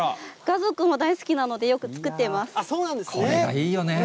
家族も大好きなので、よく作っています。